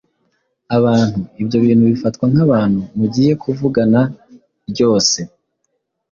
abantu, ibyo bintu bifatwa nk’abantu mugiye kuvugana ryose